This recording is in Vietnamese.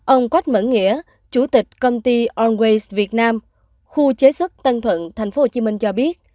ông quách mở nghĩa chủ tịch công ty onways việt nam khu chế xuất tân thuận tp hcm cho biết